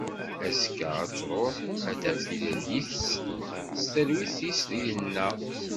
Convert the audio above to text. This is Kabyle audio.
Azekka ad truḥ ad taf tilelli-s d talwit-is dinna.